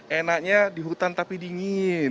tapi kali ini enaknya di hutan tapi dingin